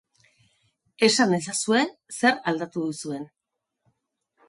Esan ezazue zer aldatu duzuen.